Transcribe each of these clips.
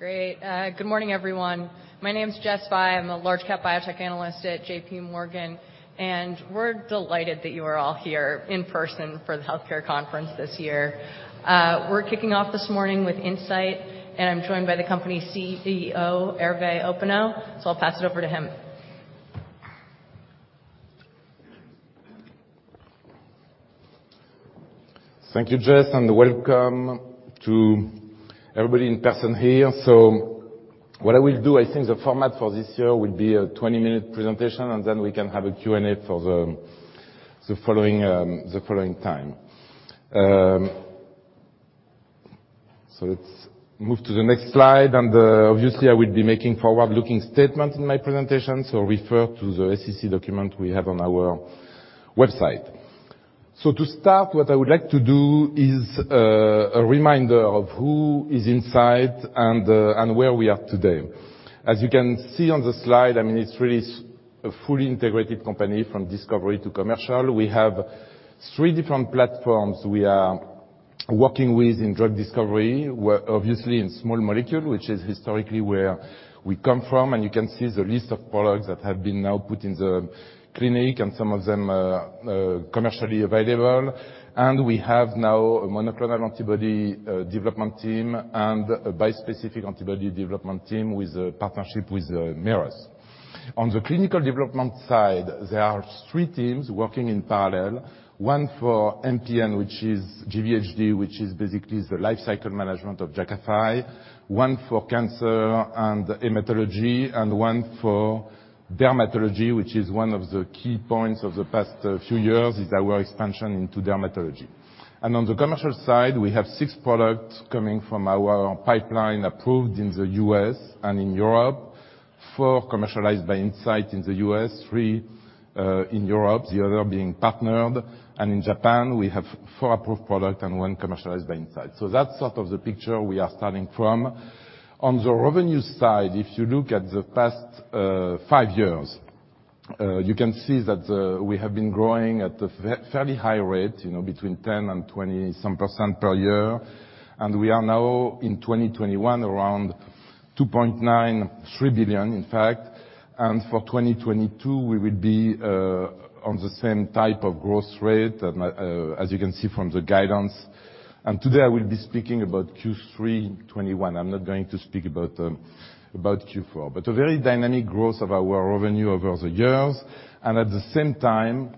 Great. Good morning, everyone. My name is Jessica Fye. I'm a large cap biotech analyst at J.P. Morgan, and we're delighted that you are all here in person for the healthcare conference this year. We're kicking off this morning with Incyte, and I'm joined by the company CEO, Hervé Hoppenot. I'll pass it over to him. Thank you, Jess, and welcome to everybody in person here. What I will do, I think the format for this year will be a 20-minute presentation, and then we can have a Q&A for the following time. Let's move to the next slide. Obviously, I will be making forward-looking statements in my presentation, so refer to the SEC document we have on our website. To start, what I would like to do is a reminder of who is Incyte and where we are today. As you can see on the slide, I mean, it's really a fully integrated company from discovery to commercial. We have 3 different platforms we are working with in drug discovery. We're obviously in small molecule, which is historically where we come from, and you can see the list of products that have been now put in the clinic, and some of them are commercially available. We have now a monoclonal antibody development team and a bispecific antibody development team with a partnership with Merus. On the clinical development side, there are three teams working in parallel. One for MPN, which is GVHD, which is basically the life cycle management of JAKAFI, one for cancer and hematology, and one for dermatology, which is one of the key points of the past few years, is our expansion into dermatology. On the commercial side, we have 6 products coming from our pipeline approved in the U.S. and in Europe, four commercialized by Incyte in the U.S., three in Europe, the other being partnered. In Japan, we have four approved product and one commercialized by Incyte. That's sort of the picture we are starting from. On the revenue side, if you look at the past, five years, you can see that, we have been growing at a fairly high rate, you know, between 10% and 20% some percent per year. We are now in 2021 around $2.93 billion, in fact. For 2022, we will be, on the same type of growth rate, as you can see from the guidance. Today, I will be speaking about Q3 2021. I'm not going to speak about Q4. A very dynamic growth of our revenue over the years, and at the same time,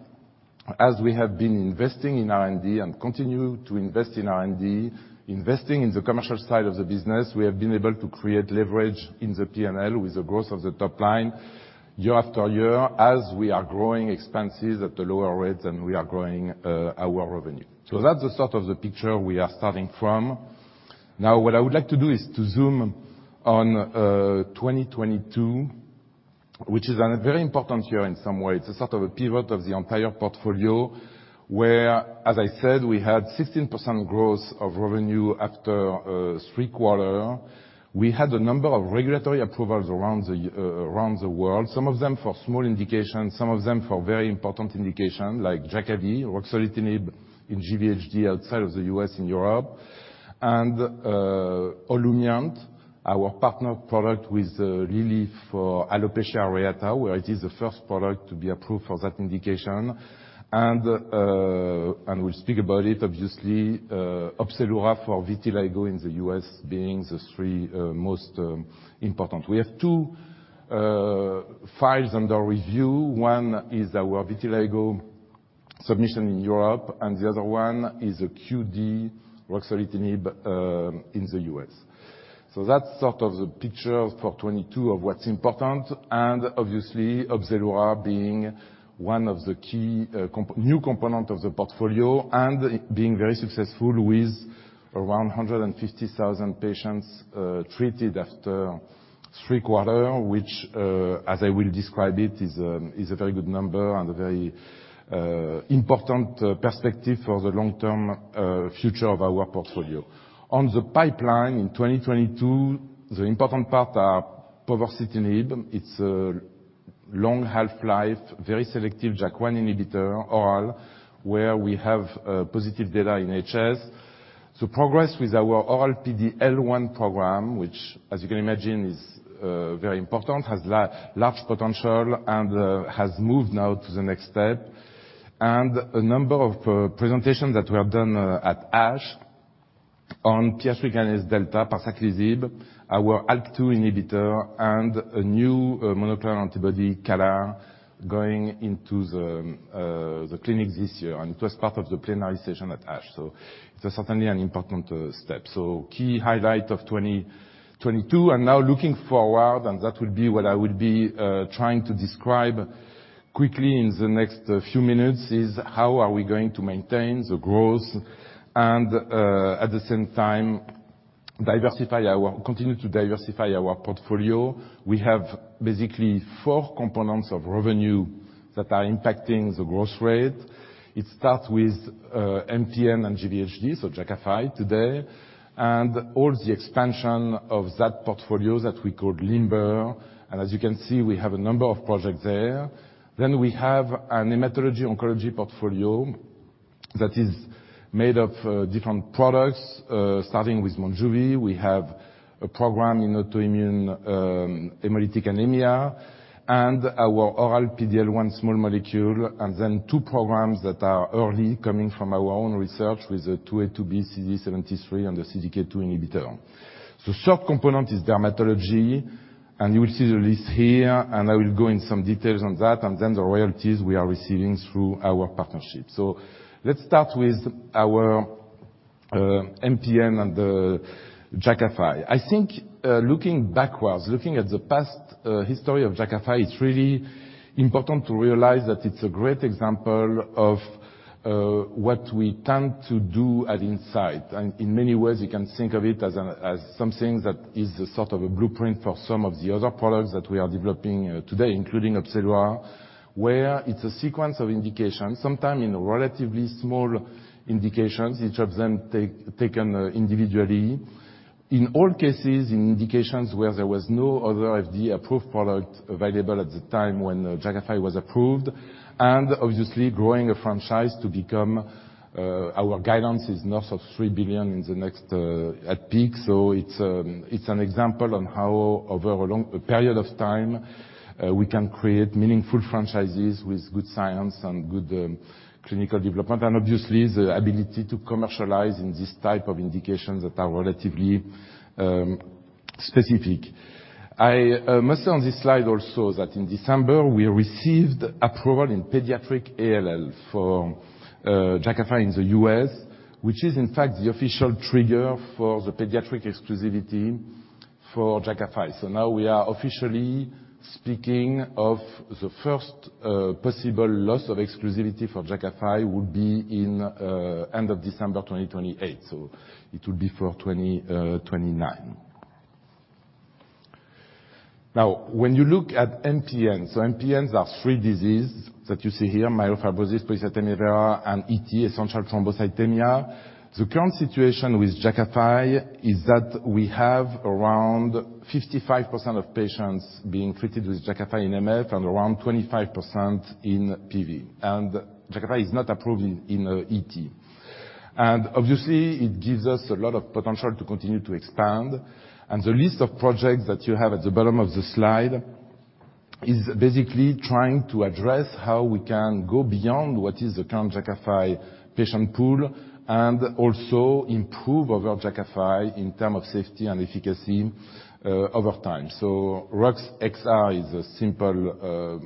as we have been investing in R&D and continue to invest in R&D, investing in the commercial side of the business, we have been able to create leverage in the P&L with the growth of the top line year after year as we are growing expenses at a lower rate than we are growing our revenue. That's the sort of the picture we are starting from. What I would like to do is to zoom on 2022, which is a very important year in some way. It's a sort of a pivot of the entire portfolio, where, as I said, we had 16% growth of revenue after three quarters. We had a number of regulatory approvals around the world, some of them for small indications, some of them for very important indication like JAKAVI, ruxolitinib in GVHD outside of the U.S. and Europe. Olumiant, our partner product with really for alopecia areata, where it is the first product to be approved for that indication. We'll speak about it, obviously, OPZELURA for vitiligo in the U.S. being the three most important. We have two files under review. One is our vitiligo submission in Europe, and the other one is a QD ruxolitinib in the U.S. That's sort of the picture for 2022 of what's important, and obviously, OPZELURA being one of the key comp... new component of the portfolio and being very successful with around 150,000 patients treated after 3 quarters, which, as I will describe it, is a very good number and a very important perspective for the long-term future of our portfolio. On the pipeline in 2022, the important part are povorcitinib. It's a long half-life, very selective JAK1 inhibitor oral, where we have positive data in HS. The progress with our oral PD-L1 program, which as you can imagine, is very important, has large potential and has moved now to the next step. A number of presentations that were done at ASH on PI3Kδ, parsaclisib, our ALK2 inhibitor, and a new monoclonal antibody, CALR, going into the clinic this year, and it was part of the plenary session at ASH. It was certainly an important step. Key highlight of 2022. Now looking forward, and that will be what I will be trying to describe quickly in the next few minutes, is how are we going to maintain the growth and at the same time, continue to diversify our portfolio. We have basically four components of revenue that are impacting the growth rate. It starts with MPN and GVHD, so JAKAFI today, and all the expansion of that portfolio that we call LIMBER. As you can see, we have a number of projects there. We have a hematology oncology portfolio that is made of different products, starting with MONJUVI. We have a program in autoimmune hemolytic anemia, and our oral PD-L1 small molecule, and then two programs that are early coming from our own research with the A2A/A2B CD73 and the CDK2 inhibitor. The short component is dermatology, and you will see the list here, and I will go in some details on that, and then the royalties we are receiving through our partnership. Let's start with our MPN and the JAKAFI. I think, looking backwards, looking at the past history of JAKAFI, it's really important to realize that it's a great example of what we tend to do at Incyte. In many ways, you can think of it as something that is a sort of a blueprint for some of the other products that we are developing today, including OPZELURA, where it's a sequence of indications, sometimes in relatively small indications, each of them taken individually. In all cases, in indications where there was no other FDA-approved product available at the time when JAKAFI was approved, and obviously growing a franchise to become, our guidance is north of $3 billion in the next, at peak. It's an example on how over a long period of time, we can create meaningful franchises with good science and good clinical development, and obviously the ability to commercialize in this type of indications that are relatively specific. I must say on this slide also that in December we received approval in pediatric ALL for JAKAFI in the U.S., which is in fact the official trigger for the pediatric exclusivity for JAKAFI. Now we are officially speaking of the first possible loss of exclusivity for JAKAFI would be in end of December 2028, so it will be for 2029. When you look at MPN, MPNs are 3 disease that you see here, myelofibrosis, polycythemia, and ET, essential thrombocythemia. The current situation with JAKAFI is that we have around 55% of patients being treated with JAKAFI in MF and around 25% in PV. JAKAFI is not approved in ET. Obviously, it gives us a lot of potential to continue to expand. The list of projects that you have at the bottom of the slide is basically trying to address how we can go beyond what is the current JAKAFI patient pool and also improve over JAKAFI in term of safety and efficacy over time. ruxolitinib XR is a simple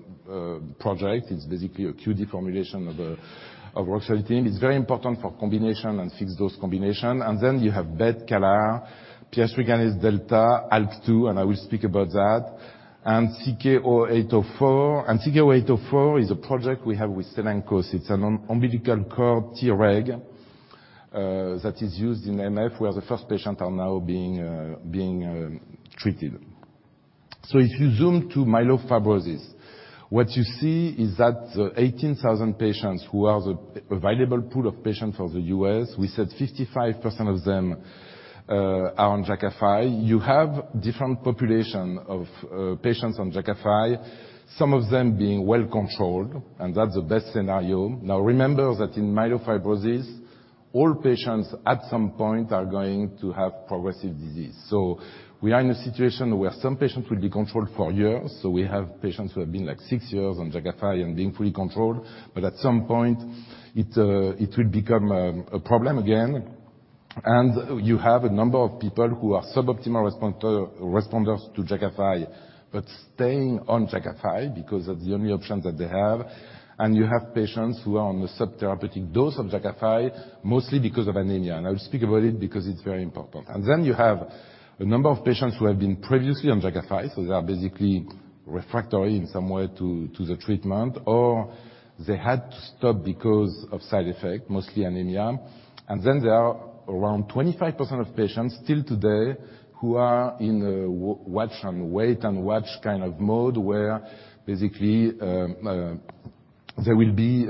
project. It's basically a QD formulation of ruxolitinib. It's very important for combination and fixed dose combination. You have BET CALR, PI3Kδ, ALK2, and I will speak about that. CK0804. CK0804 is a project we have with Cellenkos. It's an umbilical cord Treg that is used in MF, where the first patient are now being treated. If you zoom to myelofibrosis, what you see is that 18,000 patients who are the available pool of patients for the U.S., we said 55% of them are on JAKAFI. You have different population of patients on JAKAFI, some of them being well controlled, and that's the best scenario. Now remember that in myelofibrosis, all patients at some point are going to have progressive disease. We are in a situation where some patients will be controlled for years. We have patients who have been like six years on JAKAFI and being fully controlled, but at some point it will become a problem again. You have a number of people who are sub-optimal responders to JAKAFI, but staying on JAKAFI because of the only option that they have. You have patients who are on a subtherapeutic dose of JAKAFI, mostly because of anemia. I will speak about it because it's very important. You have a number of patients who have been previously on JAKAFI, so they are basically refractory in some way to the treatment, or they had to stop because of side effect, mostly anemia. There are around 25% of patients still today who are in a watch and wait and watch kind of mode, where basically, there will be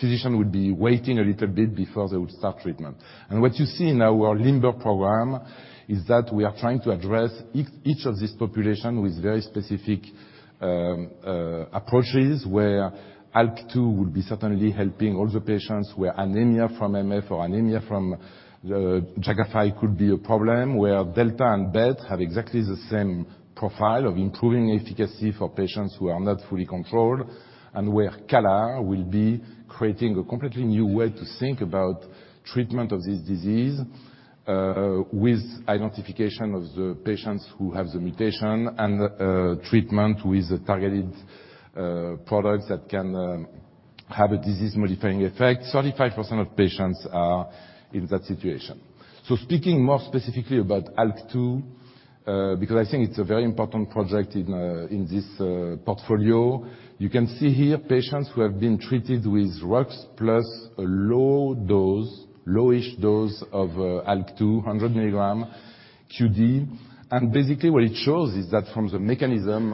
physician would be waiting a little bit before they would start treatment. What you see in our LIMBER program is that we are trying to address each of this population with very specific approaches, where ALK2 will be certainly helping all the patients where anemia from MF or anemia from JAKAFI could be a problem, where Delta and BET have exactly the same profile of improving efficacy for patients who are not fully controlled, and where CALR will be creating a completely new way to think about treatment of this disease, with identification of the patients who have the mutation and treatment with targeted products that can have a disease-modifying effect. 35% of patients are in that situation. Speaking more specifically about ALK2, because I think it's a very important project in this portfolio, you can see here patients who have been treated with ruxolitinib plus a low dose, low-ish dose of ALK2, 100 mg QD. Basically what it shows is that from the mechanism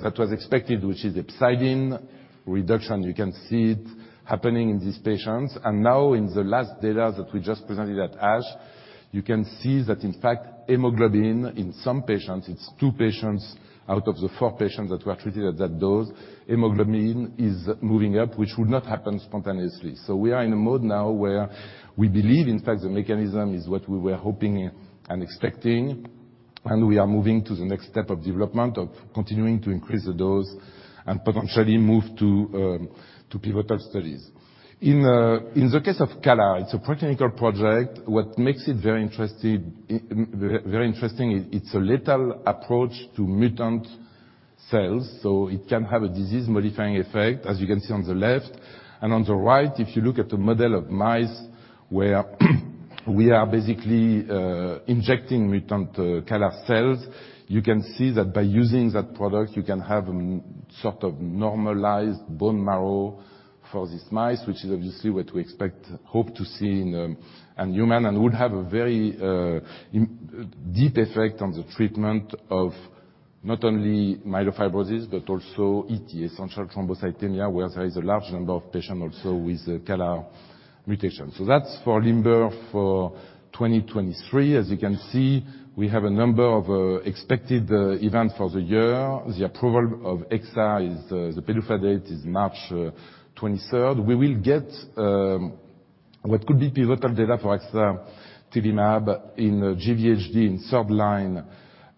that was expected, which is hepcidin reduction, you can see it happening in these patients. Now in the last data that we just presented at ASH, you can see that in fact hemoglobin in some patients, it's two patients out of the four patients that were treated at that dose, hemoglobin is moving up, which would not happen spontaneously. We are in a mode now where we believe, in fact, the mechanism is what we were hoping and expecting, and we are moving to the next step of development, of continuing to increase the dose and potentially move to pivotal studies. In the case of CALR, it's a preclinical project. What makes it very interesting is it's a lethal approach to mutant cells, so it can have a disease-modifying effect, as you can see on the left. On the right, if you look at the model of mice where we are basically injecting mutant CALR cells, you can see that by using that product, you can have sort of normalized bone marrow for these mice, which is obviously what we expect, hope to see in a human. Would have a very deep effect on the treatment of not only myelofibrosis, but also ET, essential thrombocythemia, where there is a large number of patients also with a CALR mutation. That's for LIMBER for 2023. As you can see, we have a number of expected event for the year. The approval of axatilimab is the PDUFA date is March 23rd. We will get what could be pivotal data for axatilimab in GVHD in third line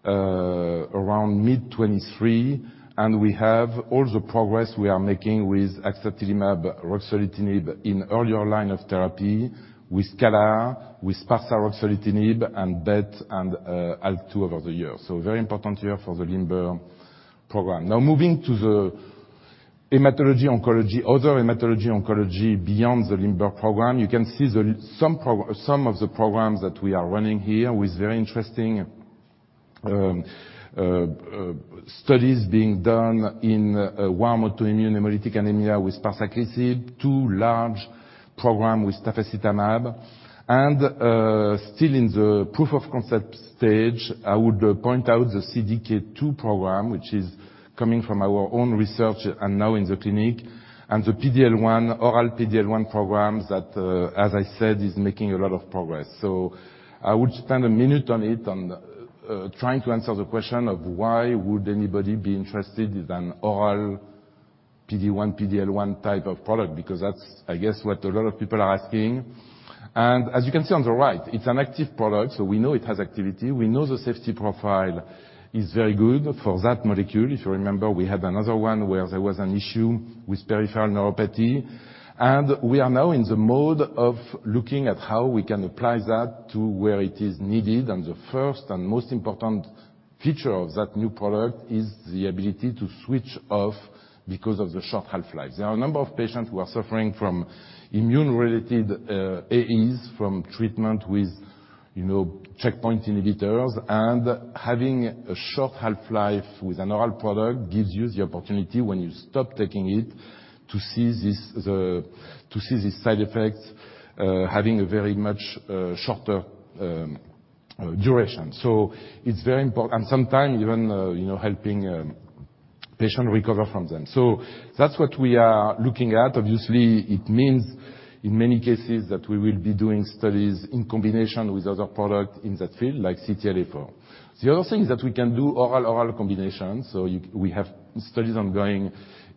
around mid-2023. We have all the progress we are making with axatilimab ruxolitinib in earlier line of therapy, with CALR, with parsaclisib ruxolitinib and BET and ALK2 over the year. Very important year for the LIMBER program. Moving to the hematology oncology, other hematology oncology beyond the LIMBER program. You can see the, some of the programs that we are running here with very interesting studies being done in warm autoimmune hemolytic anemia with parsaclisib, two large program with tafasitamab. Still in the proof of concept stage, I would point out the CDK2 program, which is coming from our own research and now in the clinic. The PD-L1, oral PD-L1 program that, as I said, is making a lot of progress. I would spend a minute on it, on trying to answer the question of why would anybody be interested in an oral PD-1, PD-L1 type of product, because that's, I guess, what a lot of people are asking. As you can see on the right, it's an active product, so we know it has activity. We know the safety profile is very good for that molecule. If you remember, we had another one where there was an issue with peripheral neuropathy. We are now in the mode of looking at how we can apply that to where it is needed. The first and most important feature of that new product is the ability to switch off because of the short half-life. There are a number of patients who are suffering from immune-related AEs from treatment with, you know, checkpoint inhibitors, and having a short half-life with an oral product gives you the opportunity when you stop taking it to cease these side effects, having a very much shorter duration. It's very important. Sometime even, you know, helping patient recover from them. That's what we are looking at. Obviously, it means in many cases that we will be doing studies in combination with other product in that field, like CTLA-4. The other thing is that we can do oral-oral combinations. We have studies ongoing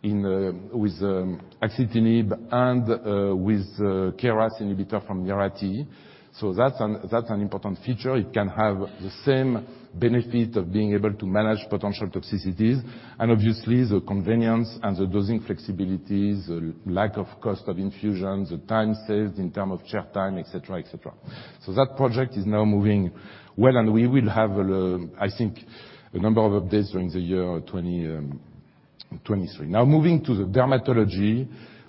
with axitinib and with KRAS inhibitor from Mirati. That's an important feature. It can have the same benefit of being able to manage potential toxicities, and obviously the convenience and the dosing flexibilities, the lack of cost of infusions, the time saved in term of chair time, et cetera, et cetera. That project is now moving well, and we will have, I think a number of updates during the year 2023. Now, moving to the dermatology,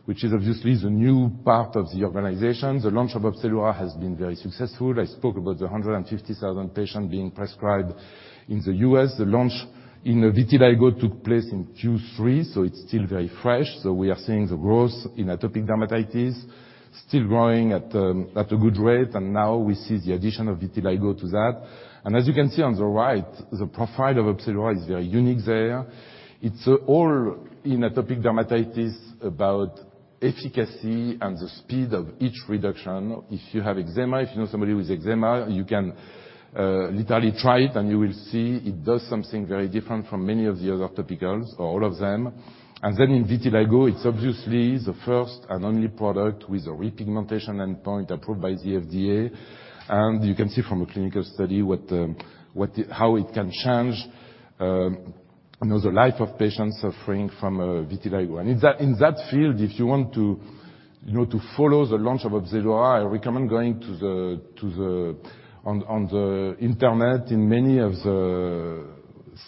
which is obviously the new part of the organization. The launch of OPZELURA has been very successful. I spoke about the 150,000 patients being prescribed in the U.S.. The launch in vitiligo took place in Q3, so it's still very fresh. We are seeing the growth in atopic dermatitis still growing at a good rate. Now we see the addition of vitiligo to that. As you can see on the right, the profile of OPZELURA is very unique there. It's all in atopic dermatitis about efficacy and the speed of each reduction. If you have eczema, if you know somebody with eczema, you can literally try it and you will see it does something very different from many of the other topicals or all of them. Then in vitiligo, it's obviously the first and only product with a repigmentation endpoint approved by the FDA. You can see from a clinical study what the, how it can change, you know, the life of patients suffering from vitiligo. In that, in that field, if you want to, you know, to follow the launch of OPZELURA, I recommend going to the, on the Internet in many of the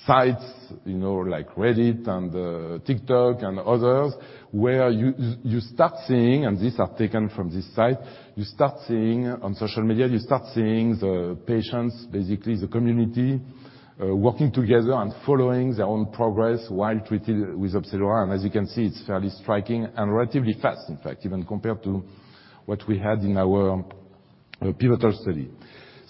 sites, you know, like Reddit and TikTok and others, where you start seeing, and these are taken from this site, you start seeing on social media, you start seeing the patients, basically the community working together and following their own progress while treated with OPZELURA. As you can see, it's fairly striking and relatively fast, in fact, even compared to what we had in our pivotal study.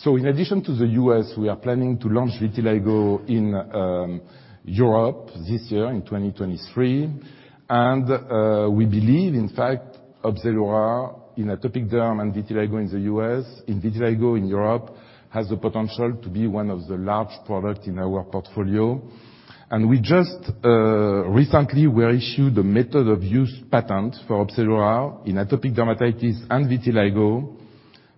In addition to the U.S., we are planning to launch vitiligo in Europe this year in 2023. We believe, in fact, OPZELURA in atopic dermatitis and vitiligo in the U.S., in vitiligo in Europe, has the potential to be one of the large product in our portfolio. We just recently were issued a method of use patent for OPZELURA in atopic dermatitis and vitiligo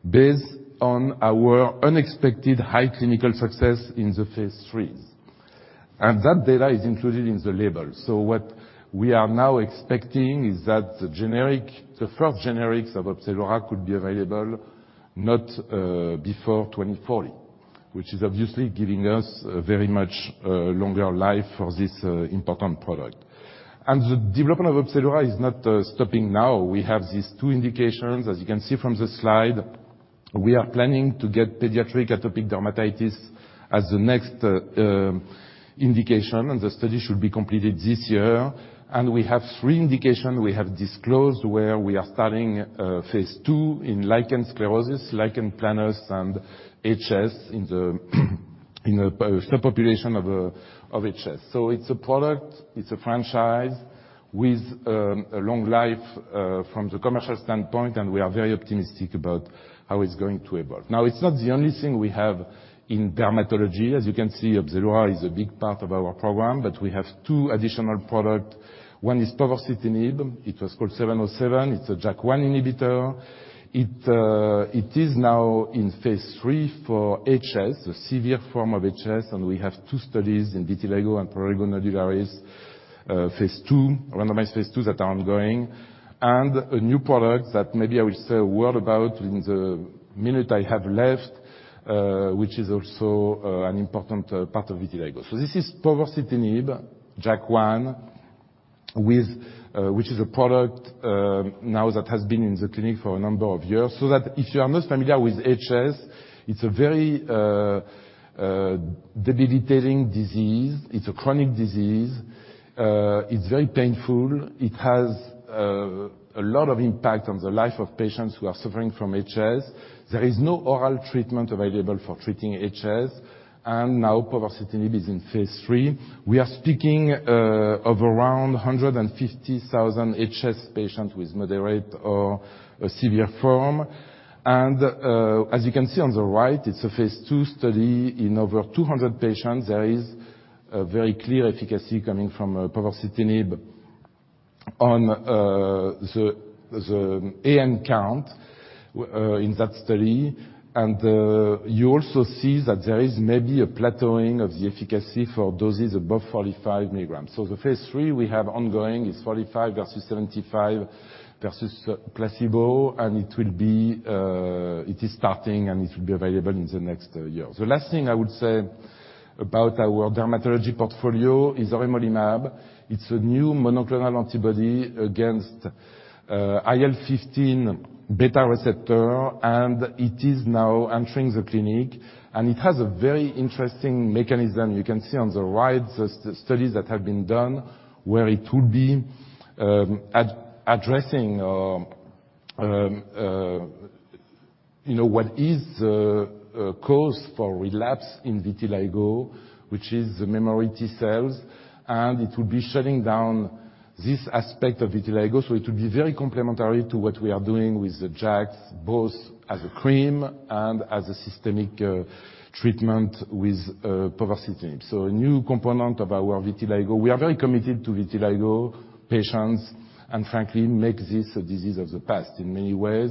based on our unexpected high clinical success in the phase IIIs. That data is included in the label. What we are now expecting is that the generic, the first generics of OPZELURA could be available not before 2040, which is obviously giving us a very much longer life for this important product. The development of OPZELURA is not stopping now. We have these two indications. As you can see from the slide, we are planning to get pediatric atopic dermatitis as the next indication, and the study should be completed this year. We have three indications we have disclosed where we are starting phase II in lichen sclerosus, lichen planus, and HS in a subpopulation of HS. It's a product, it's a franchise with a long life from the commercial standpoint, and we are very optimistic about how it's going to evolve. It's not the only thing we have in dermatology. As you can see, OPZELURA is a big part of our program, but we have two additional products. One is povorcitinib. It was called 707. It's a JAK1 inhibitor. It is now in phase III for HS, the severe form of HS. We have two studies in vitiligo and prurigo nodularis, phase II, randomized phase IIs that are ongoing, and a new product that maybe I will say a word about in the minute I have left, which is also an important part of vitiligo. This is povorcitinib, JAK1, with, which is a product, now that has been in the clinic for a number of years, so that if you are not familiar with HS, it's a very debilitating disease. It's a chronic disease. It's very painful. It has a lot of impact on the life of patients who are suffering from HS. There is no oral treatment available for treating HS. Now povorcitinib is in phase III. We are speaking of around 150,000 HS patients with moderate or severe form. As you can see on the right, it's a phase II study in over 200 patients. There is a very clear efficacy coming from povorcitinib on the AN count in that study. You also see that there is maybe a plateauing of the efficacy for doses above 45 mg. The phase III we have ongoing is 45 versus 75 versus placebo, and it will be, it is starting, and it will be available in the next year. The last thing I would say about our dermatology portfolio is auremolimab. It's a new monoclonal antibody against IL-15Rβ, and it is now entering the clinic, and it has a very interesting mechanism. You can see on the right the studies that have been done, where it will be addressing, you know, what is the cause for relapse in vitiligo, which is the memory T cells, and it will be shutting down this aspect of vitiligo. It will be very complementary to what we are doing with the JAKs, both as a cream and as a systemic treatment with povorcitinib. A new component of our vitiligo. We are very committed to vitiligo patients and frankly make this a disease of the past in many ways,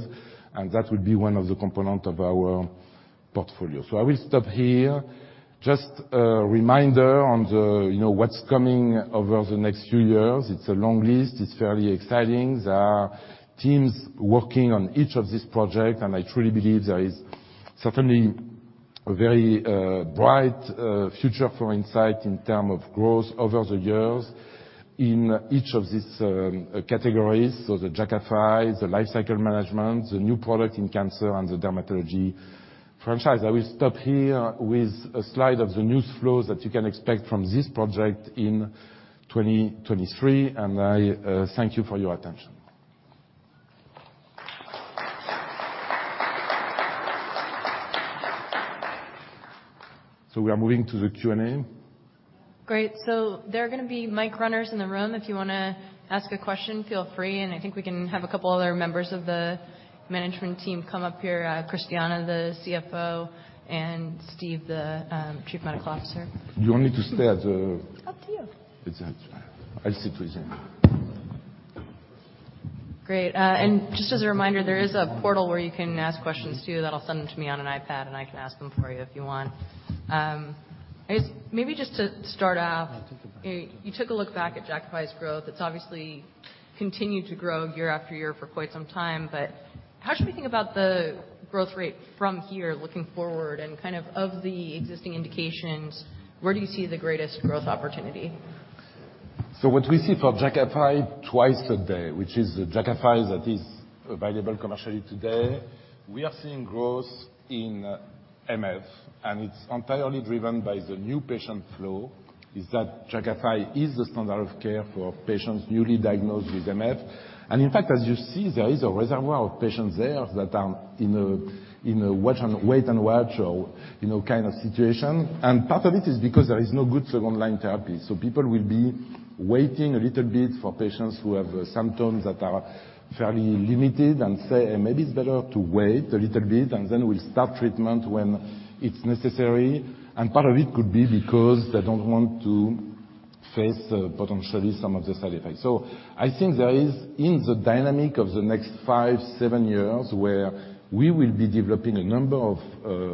and that will be one of the component of our portfolio. I will stop here. Just a reminder on the, you know, what's coming over the next few years. It's a long list. It's fairly exciting. There are teams working on each of these project, I truly believe there is certainly a very bright future for Incyte in term of growth over the years in each of these categories. The JAKAFI, the lifecycle management, the new product in cancer, and the dermatology franchise. I will stop here with a slide of the news flows that you can expect from this project in 2023, I thank you for your attention. We are moving to the Q&A. Great. There are gonna be mic runners in the room. If you want to ask a question, feel free, and I think we can have a couple other members of the management team come up here, Christiana, the CFO, and Steve, the Chief Medical Officer. You want me to stay at? Up to you. It's up to you. I'll stick with them. Great. Just as a reminder, there is a portal where you can ask questions too. That'll send them to me on an iPad, and I can ask them for you if you want. I guess maybe just to start off. I'll take it back.... you took a look back at JAKAFI's growth. It's obviously continued to grow year after year for quite some time. How should we think about the growth rate from here looking forward? Kind of the existing indications, where do you see the greatest growth opportunity? What we see for JAKAFI twice a day, which is the JAKAFI that is available commercially today, we are seeing growth in MF, and it's entirely driven by the new patient flow, is that JAKAFI is the standard of care for patients newly diagnosed with MF. In fact, as you see, there is a reservoir of patients there that are in a wait and watch or, you know, kind of situation. Part of it is because there is no good second-line therapy. People will be waiting a little bit for patients who have symptoms that are fairly limited and say, "Maybe it's better to wait a little bit, and then we'll start treatment when it's necessary." Part of it could be because they don't want to face potentially some of the side effects. I think there is, in the dynamic of the next 5-7 years, where we will be developing a number of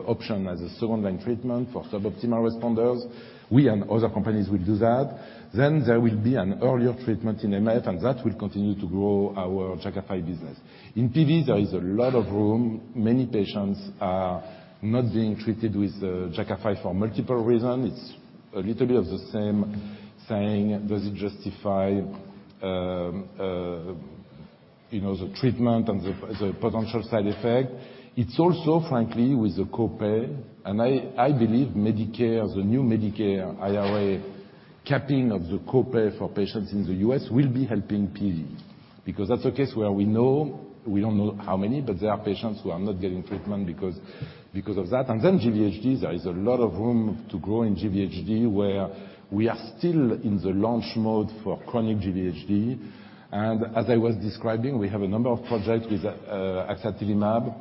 option as a second-line treatment for suboptimal responders. We and other companies will do that. There will be an earlier treatment in MF, and that will continue to grow our JAKAFI business. In PV, there is a lot of room. Many patients are not being treated with JAKAFI for multiple reasons. It's a little bit of the same saying, does it justify, you know, the treatment and the potential side effect? It's also, frankly, with the co-pay, and I believe Medicare, the new Medicare IRA capping of the co-pay for patients in the U.S. will be helping PV because that's a case where we know, we don't know how many, but there are patients who are not getting treatment because of that. GVHD, there is a lot of room to grow in GVHD, where we are still in the launch mode for chronic GVHD. As I was describing, we have a number of projects with axatilimab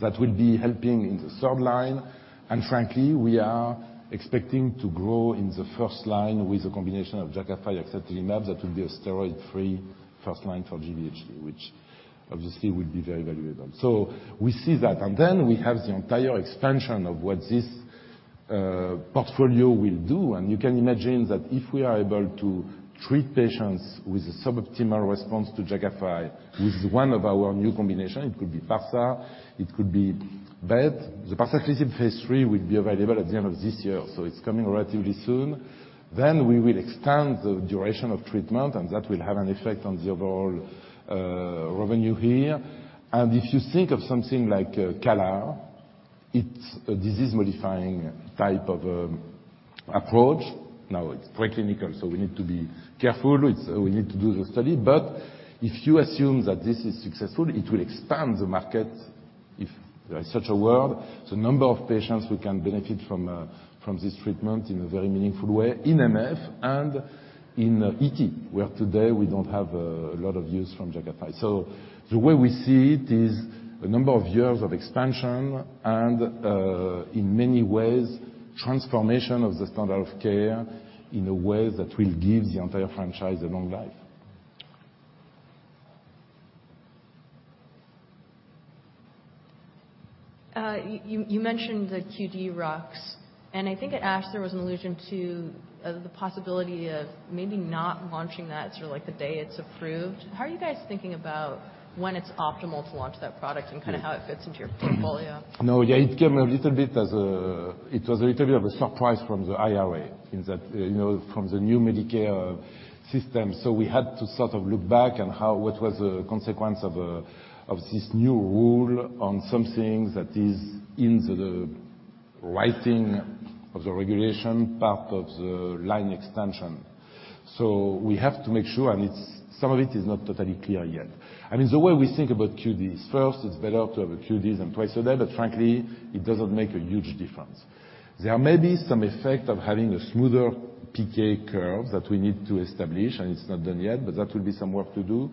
that will be helping in the third line. Frankly, we are expecting to grow in the first line with a combination of JAKAFI axatilimab. That will be a steroid-free first line for GVHD, which obviously will be very valuable. We see that, and then we have the entire expansion of what this portfolio will do. You can imagine that if we are able to treat patients with a suboptimal response to JAKAFI with one of our new combination, it could be parsaclisib, it could be BET. The parsaclisib phase III will be available at the end of this year, so it's coming relatively soon. We will extend the duration of treatment, and that will have an effect on the overall revenue here. If you think of something like CALR, it's a disease-modifying type of approach. Now it's pre-clinical, so we need to be careful. It's, we need to do the study. If you assume that this is successful, it will expand the market if there is such a word. The number of patients who can benefit from this treatment in a very meaningful way in MF and in ET, where today we don't have a lot of use from JAKAFI. The way we see it is a number of years of expansion and in many ways, transformation of the standard of care in a way that will give the entire franchise a long life. You mentioned the QD ruxolitinib, I think at ASH there was an allusion to the possibility of maybe not launching that sort of like the day it's approved. How are you guys thinking about when it's optimal to launch that product and kind of how it fits into your portfolio? No, yeah, it came a little bit as a surprise from the IRA in that, you know, from the new Medicare system. We had to sort of look back on how, what was the consequence of this new rule on something that is in the writing of the regulation part of the line extension. We have to make sure, some of it is not totally clear yet. I mean, the way we think about QDs, first, it's better to have a QD than twice a day, but frankly, it doesn't make a huge difference. There may be some effect of having a smoother PK curve that we need to establish, and it's not done yet, but that will be some work to do.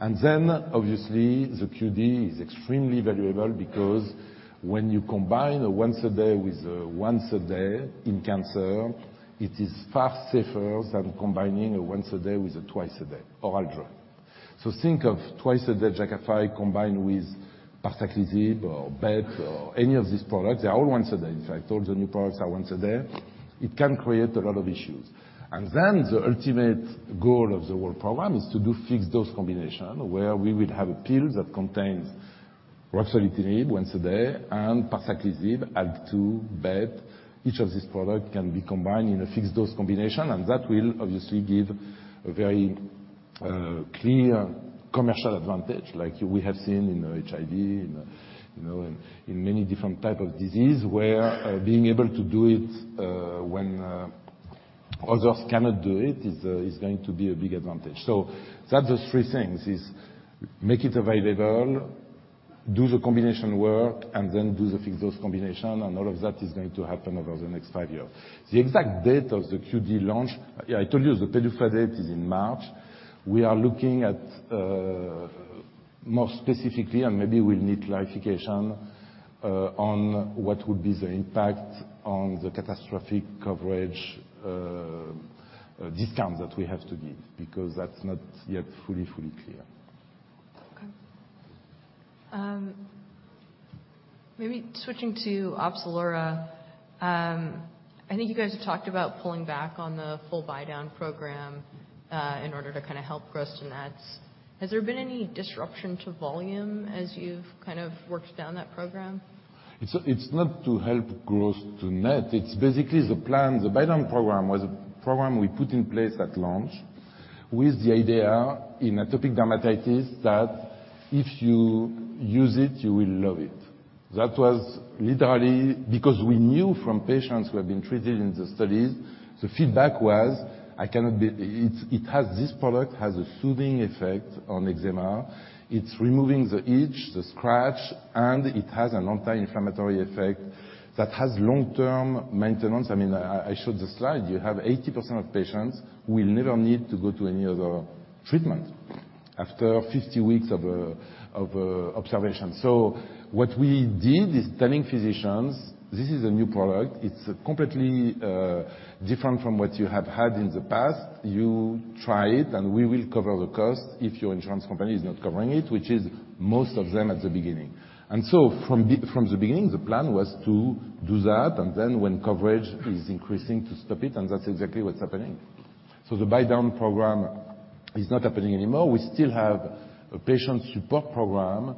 Obviously, the QD is extremely valuable because when you combine a once a day with a once a day in cancer, it is far safer than combining a once a day with a twice a day oral drug. Think of twice-a-day JAKAFI combined with parsaclisib or BET or any of these products. They're all once a day. In fact, all the new products are once a day. It can create a lot of issues. The ultimate goal of the whole program is to do fixed-dose combination, where we will have a pill that contains ruxolitinib once a day and parsaclisib, ALK2, BET. Each of these products can be combined in a fixed-dose combination. That will obviously give a very clear commercial advantage like we have seen in HIV and, you know, in many different type of disease, where being able to do it when others cannot do it is going to be a big advantage. That's the three things, is make it available, do the combination work, and then do the fixed-dose combination. All of that is going to happen over the next five years. The exact date of the QD launch, I told you the PDUFA date is in March. We are looking at more specifically, and maybe we'll need clarification on what would be the impact on the catastrophic coverage discount that we have to give, because that's not yet fully clear. Okay. maybe switching to OPZELURA, I think you guys have talked about pulling back on the full buy-down program, in order to kind of help gross-to-nets. Has there been any disruption to volume as you've kind of worked down that program? It's not to help growth to net. It's basically the plan, the buy-down program was a program we put in place at launch with the idea in atopic dermatitis that if you use it, you will love it. That was literally because we knew from patients who have been treated in the studies, the feedback was, It has this product, has a soothing effect on eczema. It's removing the itch, the scratch, and it has an anti-inflammatory effect that has long-term maintenance. I mean, I showed the slide. You have 80% of patients will never need to go to any other treatment after 50 weeks of observation. What we did is telling physicians, "This is a new product. It's completely different from what you have had in the past. You try it, and we will cover the cost if your insurance company is not covering it, which is most of them at the beginning. From the beginning, the plan was to do that, and then when coverage is increasing, to stop it, and that's exactly what's happening. The buy-down program is not happening anymore. We still have a patient support program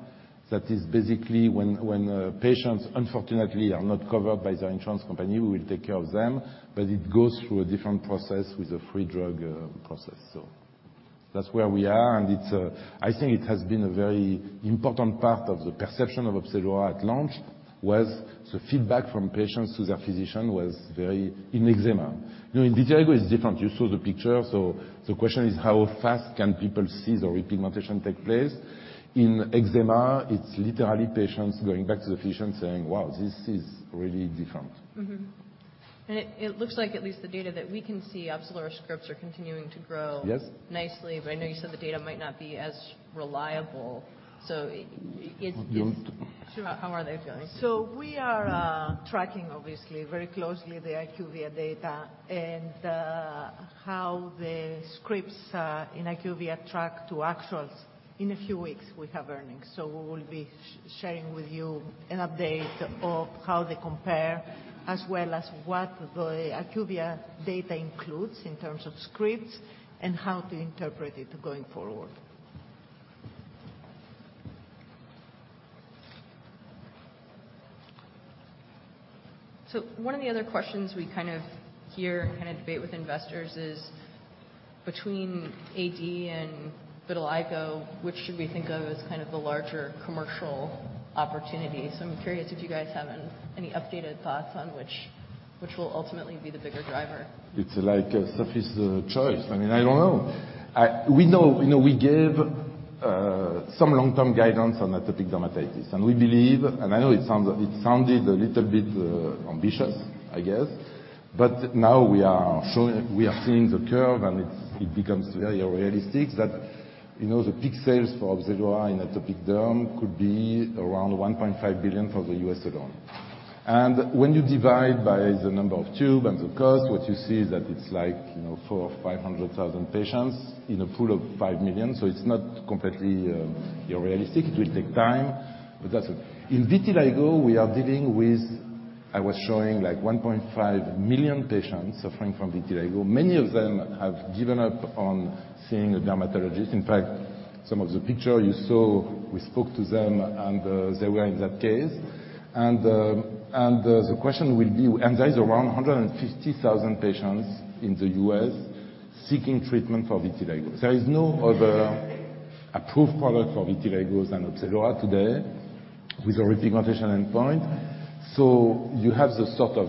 that is basically when patients unfortunately are not covered by their insurance company, we will take care of them, but it goes through a different process with a free drug process. That's where we are, and it's, I think it has been a very important part of the perception of OPZELURA at launch was the feedback from patients to their physician was very in eczema. You know, in vitiligo it's different. You saw the picture. The question is how fast can people see the repigmentation take place? In eczema, it's literally patients going back to the physician saying, "Wow, this is really different. Mm-hmm. It, it looks like at least the data that we can see OPZELURA scripts are continuing to grow... Yes... nicely, but I know you said the data might not be as reliable. We don't- Christiana, how are they feeling? We are tracking obviously very closely the IQVIA data and how the scripts in IQVIA track to actuals. In a few weeks, we have earnings, so we will be sharing with you an update of how they compare as well as what the IQVIA data includes in terms of scripts and how to interpret it going forward. One of the other questions we kind of hear and kind of debate with investors is between AD and vitiligo, which should we think of as kind of the larger commercial opportunity? I'm curious if you guys have any updated thoughts on which will ultimately be the bigger driver. It's like a Sophie's choice. I mean, I don't know. We know, you know, we gave some long-term guidance on atopic dermatitis, and we believe, and I know it sounded a little bit ambitious, I guess, but now we are showing... We are seeing the curve, and it becomes very realistic that, you know, the peak sales for OPZELURA in atopic dermatitis could be around $1.5 billion for the U.S. alone. When you divide by the number of tube and the cost, what you see is that it's like, you know, 400,000 or 500,000 patients in a pool of 5 million. It's not completely unrealistic. It will take time, but that's it. In vitiligo, we are dealing with, I was showing like 1.5 million patients suffering from vitiligo. Many of them have given up on seeing a dermatologist. In fact, some of the picture you saw, we spoke to them, and they were in that case. The question will be. There is around 150,000 patients in the U.S. seeking treatment for vitiligo. There is no other approved product for vitiligo than OPZELURA today with a repigmentation endpoint. You have the sort of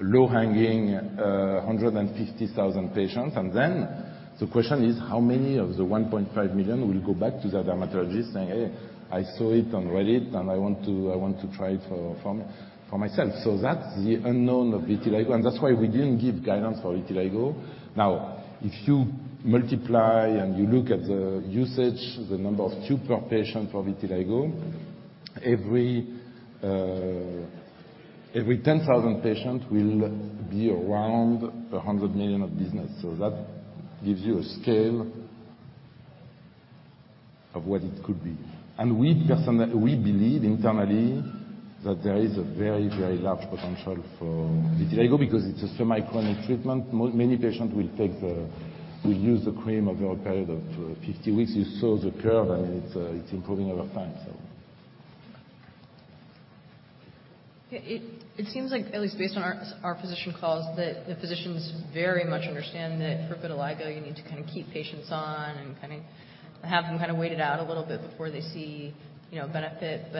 low-hanging, 150,000 patients, and then the question is how many of the 1.5 million will go back to their dermatologist saying, "Hey, I saw it on Reddit, and I want to, I want to try it for myself." That's the unknown of vitiligo, and that's why we didn't give guidance for vitiligo. If you multiply and you look at the usage, the number of tube per patient for vitiligo, every 10,000 patient will be around $100 million of business. That gives you a scale of what it could be. We believe internally that there is a very, very large potential for vitiligo because it's a semi-chronic treatment. Many patient will use the cream over a period of 50 weeks. You saw the curve, it's improving over time, so. Yeah, it seems like at least based on our physician calls that the physicians very much understand that for vitiligo you need to kind of keep patients on and kind of have them kind of wait it out a little bit before they see, you know, benefit.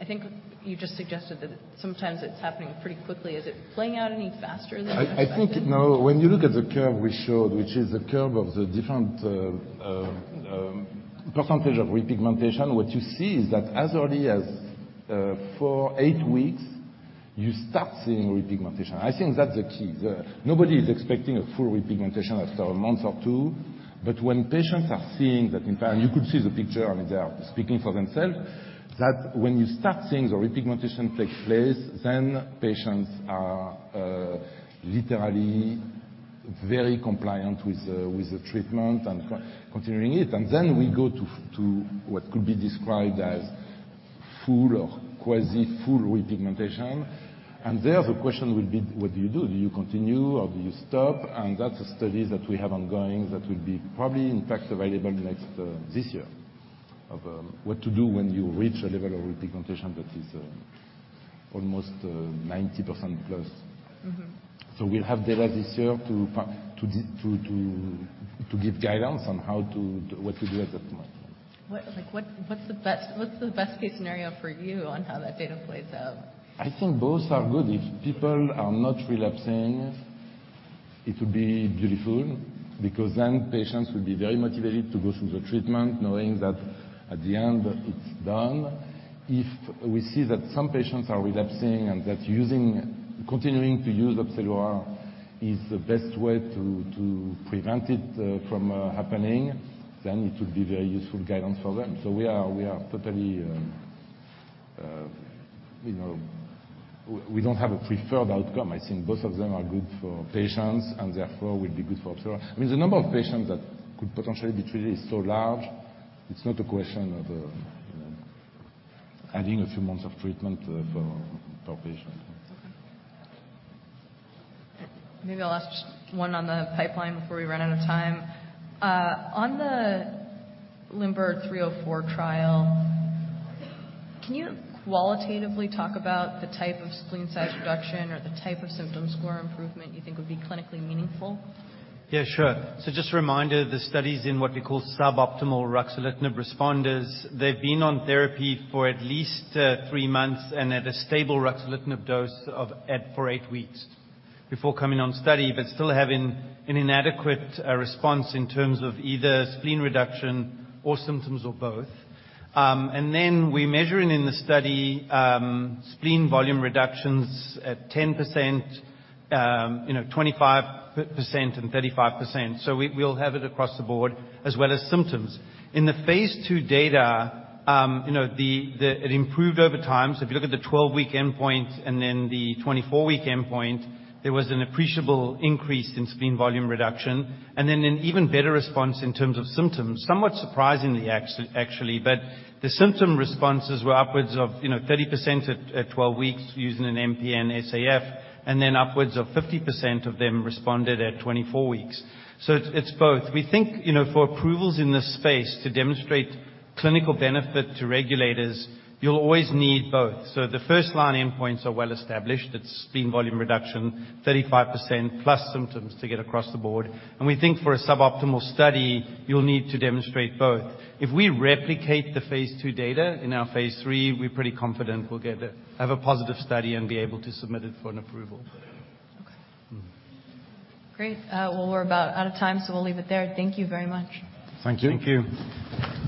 I think you just suggested that sometimes it's happening pretty quickly. Is it playing out any faster than you expected? I think, you know, when you look at the curve we showed, which is the curve of the different percentage of repigmentation, what you see is that as early as 4-8 weeks you start seeing repigmentation. I think that's the key. Nobody is expecting a full repigmentation after one month or two, but when patients are seeing that in time, you could see the picture, I mean, they are speaking for themselves, that when you start seeing the repigmentation takes place, then patients are literally very compliant with the treatment and continuing it. Then we go to what could be described as full or quasi-full repigmentation. There the question will be, what do you do? Do you continue or do you stop? That's a study that we have ongoing that will be probably in fact available next this year of what to do when you reach a level of repigmentation that is almost 90%+. Mm-hmm. We'll have data this year to give guidance on what to do at that point. Like, what's the best-case scenario for you on how that data plays out? I think both are good. If people are not relapsing, it would be beautiful because then patients will be very motivated to go through the treatment knowing that at the end it's done. If we see that some patients are relapsing and that continuing to use OPZELURA is the best way to prevent it from happening, then it would be very useful guidance for them. We are totally, you know, We don't have a preferred outcome. I think both of them are good for patients and therefore will be good for OPZELURA. I mean, the number of patients that could potentially be treated is so large, it's not a question of, you know, adding a few months of treatment for a patient. Okay. Maybe I'll ask just one on the pipeline before we run out of time. On the LIMBER-304 trial, can you qualitatively talk about the type of spleen size reduction or the type of symptom score improvement you think would be clinically meaningful? Yeah, sure. Just a reminder, the study's in what we call suboptimal ruxolitinib responders. They've been on therapy for at least three months and at a stable ruxolitinib dose of at for eight weeks before coming on study, but still having an inadequate response in terms of either spleen reduction or symptoms or both. And then we're measuring in the study, spleen volume reductions at 10%, 25% and 35%. We'll have it across the board as well as symptoms. In the phase II data, It improved over time. If you look at the 12-week endpoint and then the 24-week endpoint, there was an appreciable increase in spleen volume reduction and then an even better response in terms of symptoms. Somewhat surprisingly actually, but the symptom responses were upwards of, you know, 30% at 12 weeks using an MPN-SAF and then upwards of 50% of them responded at 24 weeks. It's both. We think, you know, for approvals in this space to demonstrate clinical benefit to regulators, you'll always need both. The first line endpoints are well established. It's spleen volume reduction, 35% plus symptoms to get across the board. We think for a suboptimal study, you'll need to demonstrate both. If we replicate the phase II data in our phase III, we're pretty confident we'll have a positive study and be able to submit it for an approval. Okay. Great. Well, we're about out of time, so we'll leave it there. Thank you very much. Thank you. Thank you.